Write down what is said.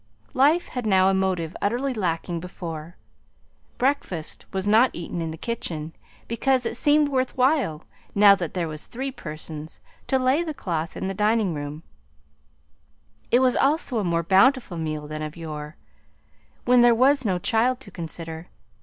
Life had now a motive utterly lacking before. Breakfast was not eaten in the kitchen, because it seemed worth while, now that there were three persons, to lay the cloth in the dining room; it was also a more bountiful meal than of yore, when there was no child to consider.